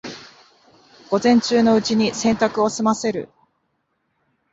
午前中のうちに洗濯を済ませる